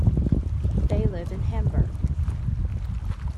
They live in Hamburg.